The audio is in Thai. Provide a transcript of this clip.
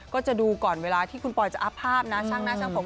ก็จะดูก่อนเวลาที่คุณปอยจะอัพภาพนะช่างหน้าช่างผม